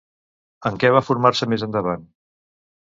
En què va formar-se més endavant?